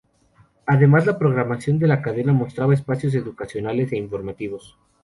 Además, la programación de la cadena mostraba espacios educacionales e informativos.